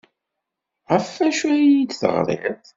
Ɣef wacu ay iyi-d-teɣriḍ?